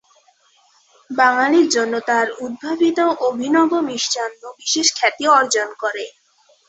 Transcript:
বাঙালির জন্য তার উদ্ভাবিত অভিনব মিষ্টান্ন বিশেষ খ্যাতি অর্জন করে।